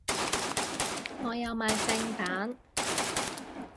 我有買正版